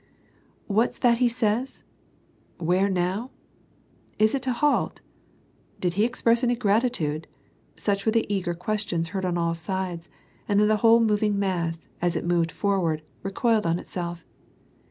" What's that he says ?"—" Where now ?"—" Is it to halt ?"—" Did he express any gratitude ?" such w^ere the eager ques tions heard on all sides and then the whole moving mass as it moved forward, recoiled on itself.